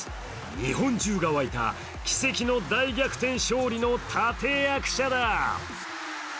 日本中が沸いた、奇跡の大逆転勝利の立て役者だ。